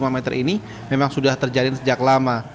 lima meter ini memang sudah terjadi sejak lama